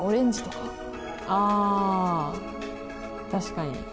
あ確かに。